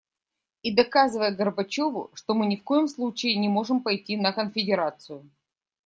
И доказывая Горбачёву, что мы ни в коем случае не можем пойти на конфедерацию.